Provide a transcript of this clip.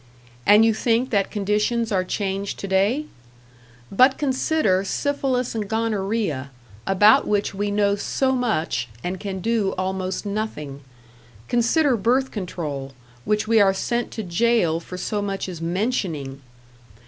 And you think that conditions are changed to day? But consider syphilis and gonorrhea, about which we know so much, and can do almost nothing; consider birth control, which we are sent to jail for so much as mentioning!